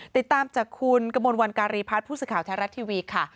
ติดตามจากคุณกบวัลการีพผู้สึกขาวท้ายรัฐทวีค่ะ